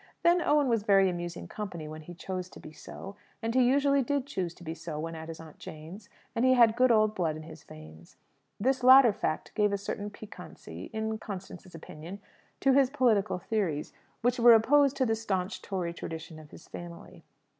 Then Owen was very amusing company when he chose to be so, and he usually did choose to be so when at his Aunt Jane's; and he had good old blood in his veins. This latter fact gave a certain piquancy, in Constance's opinion, to his political theories, which were opposed to the staunch Tory traditions of his family.